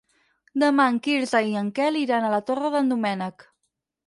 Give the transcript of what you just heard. Demà en Quirze i en Quel iran a la Torre d'en Doménec.